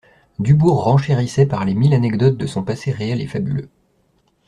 Dubourg renchérissait par les mille anecdotes de son passé réel et fabuleux.